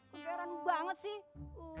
keberan banget sih